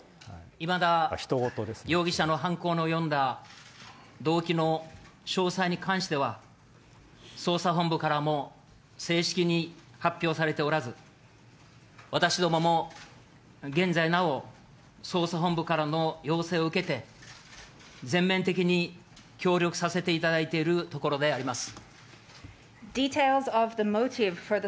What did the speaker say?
いまだ容疑者の犯行の及んだ動機の詳細に関しては、捜査本部からも正式に発表されておらず、私どもも現在なお、捜査本部からの要請を受けて、全面的に協力させていただいているところであります。